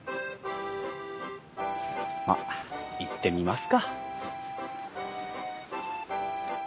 まあ行ってみますか。